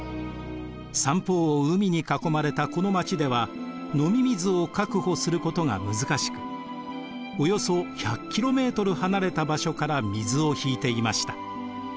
三方を海に囲まれたこの街では飲み水を確保することが難しくおよそ１００ｋｍ離れた場所から水を引いていました。